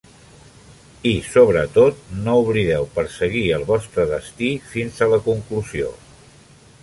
I, sobretot, no oblideu perseguir el vostre destí fins a la conclusió.